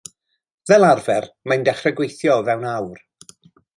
Fel arfer mae'n dechrau gweithio o fewn awr.